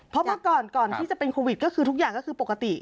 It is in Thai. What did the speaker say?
เพราะเมื่อก่อนก่อนที่จะเป็นโควิดก็คือทุกอย่างก็คือปกติ